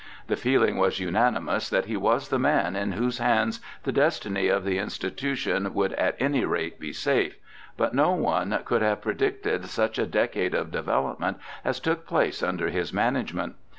The feeling was unanimous that he was the man in whose hands the destiny of the institu tion would at any rate be safe, but no one could have predicted such a decade of development as took place under his management.